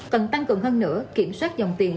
cần tăng cường hơn nữa kiểm soát dòng tiền